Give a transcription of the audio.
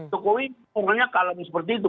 jokowi orangnya kalem seperti itu